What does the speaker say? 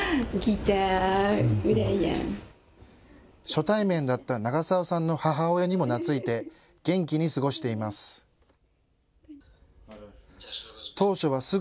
初対面だった長澤さんの母親にも懐いて元気に過ごしています。